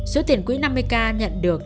số tiền quỹ năm mươi k nhận được